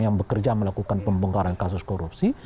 yang bekerja melakukan pembongkaran kasus korupsi